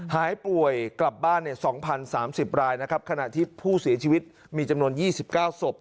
หายป่วยกลับบ้านเนี่ยสองพันสามสิบรายนะครับขณะที่ผู้เสียชีวิตมีจำนวนยี่สิบเก้าศพ